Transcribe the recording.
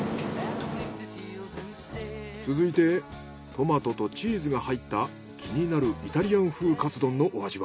続いてトマトとチーズが入った気になるイタリアン風カツ丼のお味は？